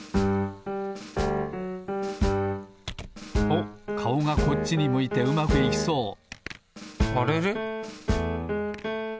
おっかおがこっちに向いてうまくいきそうあれれ？